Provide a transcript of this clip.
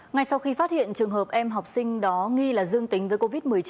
ngay sau khi phát hiện trường hợp em học sinh đó nghi là dương tính với covid một mươi chín